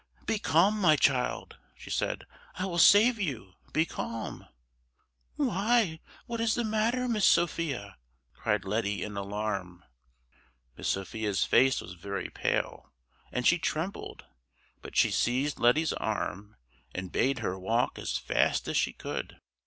"Be calm, my child!" she said, "I will save you! Be calm!" "Why, what is the matter, Miss Sophia?" cried Letty in alarm. Miss Sophia's face was very pale, and she trembled; but she seized Letty's arm, and bade her walk as fast as she could.